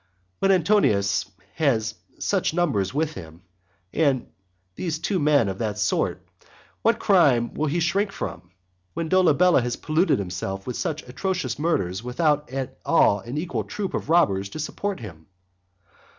When Antonius has such numbers with him, and those too men of that sort, what crime will he shrink from, when Dolabella has polluted himself with such atrocious murders without at all an equal troop of robbers to support him?